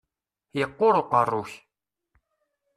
Yeqqur uqerru-k.